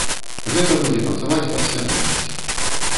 Гэта будзе працаваць падсвядомасць.